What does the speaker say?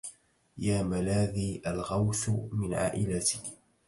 يا ملاذي الغوث من عائلة